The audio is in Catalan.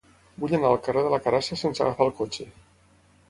Vull anar al carrer de la Carassa sense agafar el cotxe.